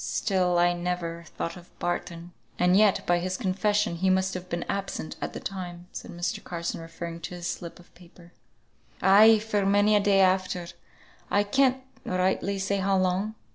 Still I never thought of Barton." "And yet by his confession he must have been absent at the time," said Mr. Carson, referring to his slip of paper. "Ay, and for many a day after, I can't rightly say how long.